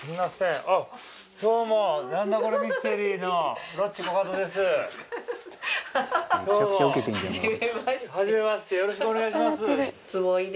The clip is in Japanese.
よろしくお願いします。